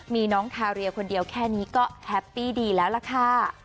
มีน้องทาเรียคนเดียวแค่นี้ก็แฮปปี้ดีแล้วล่ะค่ะ